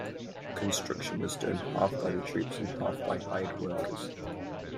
Construction was done half by the troops and half by hired workers.